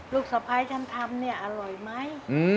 ลูกสะพ้ายฉันทำเนี่ยอร่อยไหม